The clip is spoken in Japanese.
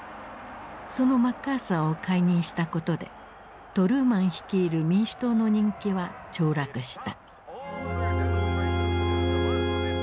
そのマッカーサーを解任したことでトルーマン率いる民主党の人気はちょう落した。